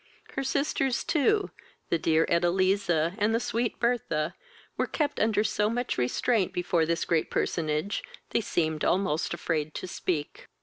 Her sisters too, the dear Edeliza, and the sweet Bertha, were kept under so much restraint before this great personage, they seemed almost afraid to speak.